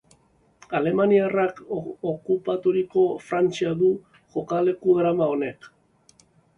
Alemaniarrek okupaturiko Frantzia du jokaleku drama honek.